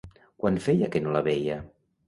Quant feia que no la veia?